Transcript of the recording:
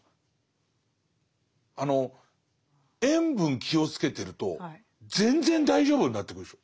あの塩分気をつけてると全然大丈夫になってくるでしょ。